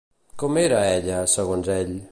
Com era, ella, segons ell?